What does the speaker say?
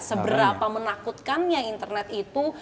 seberapa menakutkannya internet itu